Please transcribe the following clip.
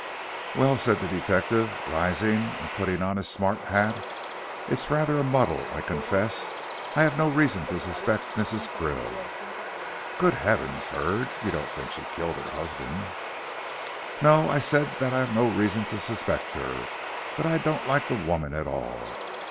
"Well," said the detective, rising and putting on his smart hat, "it's rather a muddle, I confess. I have no reason to suspect Mrs. Krill " "Good heavens, Hurd, you don't think she killed her husband?" "No. I said that I have no reason to suspect her. But I don't like the woman at all.